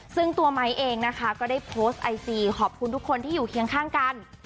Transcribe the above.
ซึ่งตัวไม้เองนะคะก็ได้โพสต์ไอจีขอบคุณทุกคนที่อยู่เคียงข้างกัน